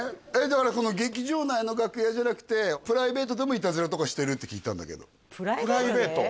だから劇場内の楽屋じゃなくてプライベートでもイタズラとかしてるって聞いたんだけどプライベート？